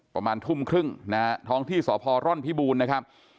ประมาณทุ่มครึ่งนะฮะท้องที่สพร่อนพิบูรณ์นะครับ